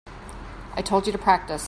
I told you to practice.